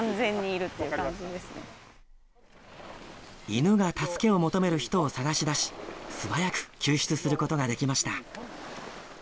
犬が助けを求める人を捜し出し、素早く救出することができました。